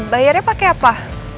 bayarnya pakai apa